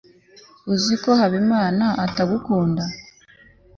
uzi ko habimana atagukunda